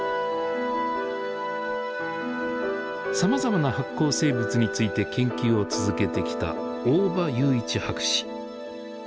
さまざまな発光生物について研究を続けてきた大場裕一博士。